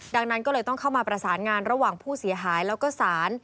ดังนั้นก็เลยต้องเข้ามาประสานงานระหว่างผู้เสียหายแล้วก็ศาล